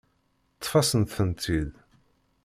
Ṭṭef-asent-tent-id.